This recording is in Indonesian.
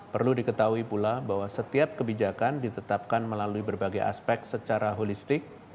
perlu diketahui pula bahwa setiap kebijakan ditetapkan melalui berbagai aspek secara holistik